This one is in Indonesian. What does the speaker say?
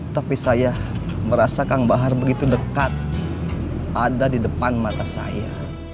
tapi saya merasa kang bahar begitu dekat ada di depan mata saya